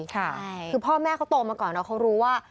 ใช่คือพ่อแม่เขาโตมาก่อนแล้วเขารู้ว่า